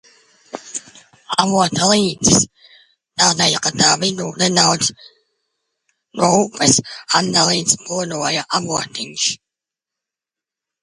Avota līcis, tādēļ, ka tā vidū nedaudz no upes atdalīts pludoja avotiņš.